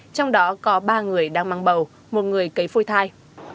trong đó có ba người đang mang bầu một người cấy phôi thai